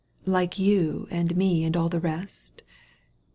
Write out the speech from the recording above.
Like you and me and all the rest